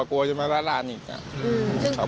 กลัวจะมาลาดร้านอีก